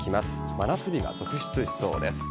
真夏日が続出しそうです。